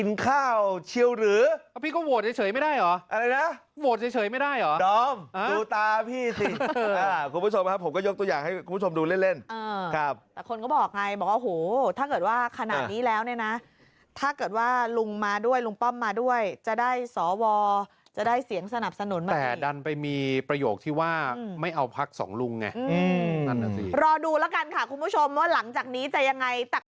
นายภัยฤทธิ์บอกว่านายภัยฤทธิ์บอกว่านายภัยฤทธิ์บอกว่านายภัยฤทธิ์บอกว่านายภัยฤทธิ์บอกว่านายภัยฤทธิ์บอกว่านายภัยฤทธิ์บอกว่านายภัยฤทธิ์บอกว่านายภัยฤทธิ์บอกว่านายภัยฤทธิ์บอกว่านายภัยฤทธิ์บอกว่านายภัยฤทธิ